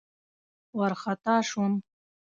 وارخطا شوم.